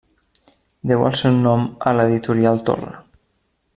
Deu el seu nom a l'editorial Torre.